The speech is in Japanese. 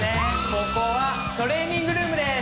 ここはトレーニングルームです！